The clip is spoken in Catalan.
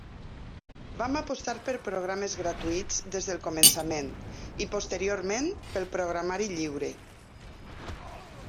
Vam apostar per programes gratuïts des del començament, i posteriorment pel programari lliure.